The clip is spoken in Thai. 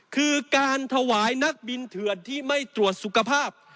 คือการถวายนักบินเถื่อนที่ไม่ตรวจสุขภาพ